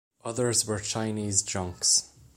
Others were Chinese junks.